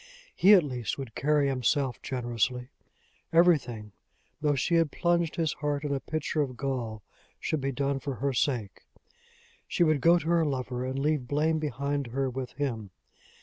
He, at least, would carry himself generously! Everything, though she had plunged his heart in a pitcher of gall, should be done for her sake! She should go to her lover, and leave blame behind her with him!